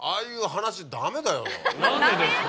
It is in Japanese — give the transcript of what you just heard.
何でですか。